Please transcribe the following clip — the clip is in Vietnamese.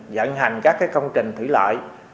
dẫn hành các cái công trình thủy loại